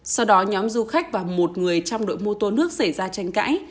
sau đó nhóm du khách và một người trong đội mô tô nước xảy ra tranh cãi